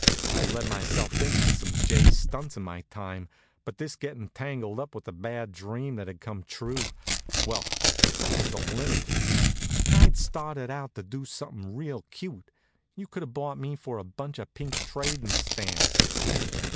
I've let myself in for some jay stunts in my time; but this gettin' tangled up with a bad dream that had come true well, that was the limit. And I'd started out to do something real cute. You could have bought me for a bunch of pink trading stamps.